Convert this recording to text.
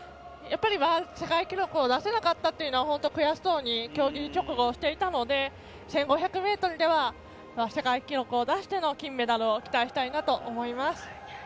世界記録を出せなかったというのは本当に悔しそうに競技直後、していたので１５００ｍでは世界記録を出しての金メダルを期待したいなと思います。